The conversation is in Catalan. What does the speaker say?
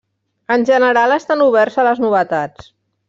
En general estan oberts a les novetats.